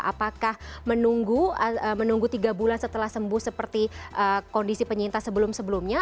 apakah menunggu tiga bulan setelah sembuh seperti kondisi penyintas sebelum sebelumnya